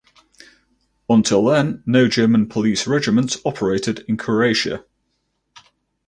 Until then no German police regiments operated in Croatia.